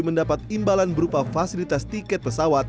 mendapat imbalan berupa fasilitas tiket pesawat